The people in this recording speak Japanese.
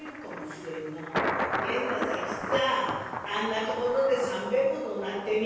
「けんど佐吉さんあんなところで３べんもどなってみ。